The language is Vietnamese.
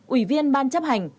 ủy viên ban chấp hành